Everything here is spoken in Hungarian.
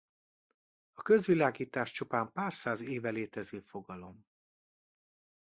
A közvilágítás csupán pár száz éve létező fogalom.